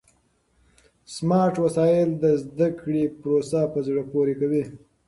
سمارټ وسایل د زده کړې پروسه په زړه پورې کوي.